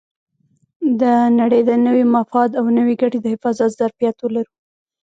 د نړۍ د نوي مفاد او نوې ګټې د حفاظت ظرفیت ولرو.